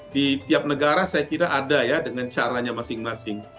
di tiap negara saya kira ada ya dengan caranya masing masing